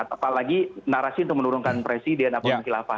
apalagi narasi untuk menurunkan presiden atau kelapa